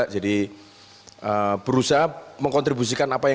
jadi berusaha mengkontribusikan